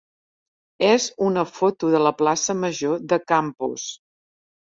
és una foto de la plaça major de Campos.